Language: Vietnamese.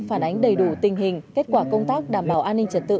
phản ánh đầy đủ tình hình kết quả công tác đảm bảo an ninh trật tự